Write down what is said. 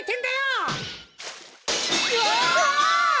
うわ！